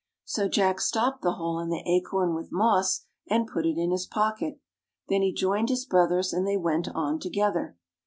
So J ack stopped the hole in the acorn with moss, and put it in his pocket. Then he joined his brothers and they went on together.